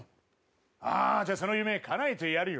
ああじゃあその夢かなえてやるよ。